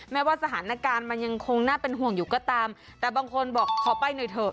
แม้ว่าสถานการณ์มันยังคงน่าเป็นห่วงอยู่ก็ตามแต่บางคนบอกขอไปหน่อยเถอะ